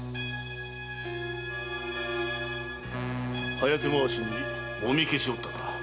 早手回しにもみ消しおったか。